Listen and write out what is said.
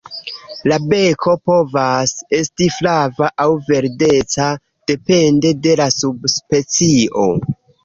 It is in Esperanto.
La beko povas esti flava aŭ verdeca depende de la subspecio.